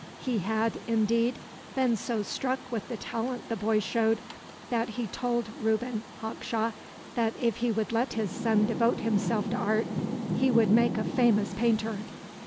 He had, indeed, been so struck with the talent the boy showed, that he told Reuben Hawkshaw that if he would let his son devote himself to art, he would make a famous painter.